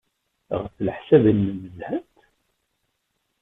Ɣef leḥsab-nnem, zhant?